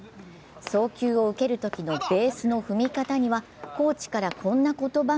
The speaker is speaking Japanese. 送球を受けるときのベースの踏み方にはコーチからこんな言葉が。